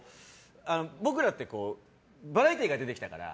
僕らってバラエティーから出てきたから。